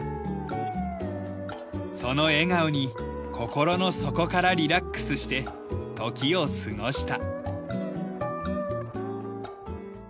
その笑顔に心の底からリラックスして時を過ごした。